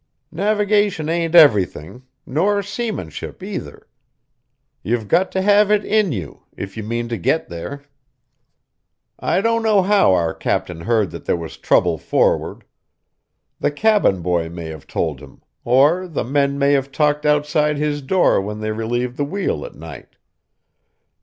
Navigation ain't everything, nor seamanship, either. You've got to have it in you, if you mean to get there. I don't know how our captain heard that there was trouble forward. The cabin boy may have told him, or the men may have talked outside his door when they relieved the wheel at night.